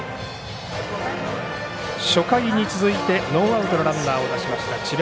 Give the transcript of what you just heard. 初回に続いてノーアウトのランナーを出しました智弁